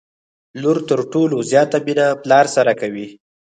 لور تر ټولو زياته مينه پلار سره کوي